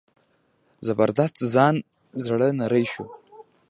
زبردست خان زړه نری شو.